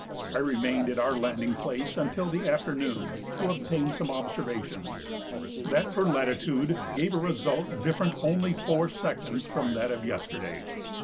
I remained at our landing place until the afternoon to obtain some observations. That for latitude gave a result different only 4" from that of yesterday.